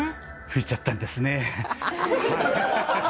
「吹いちゃったんですねぇ」。